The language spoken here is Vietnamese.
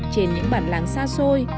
trên những bản làng xa xôi